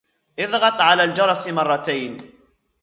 اضغط على الجرس مرتين.